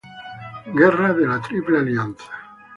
Guerra de la Triple Alianza